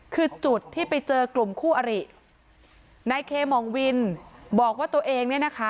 คือจุดที่ไปเจอกลุ่มคู่อรินายเคมองวินบอกว่าตัวเองเนี่ยนะคะ